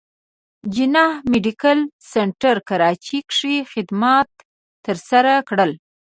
جناح ميډيکل سنټر کراچې کښې خدمات تر سره کړل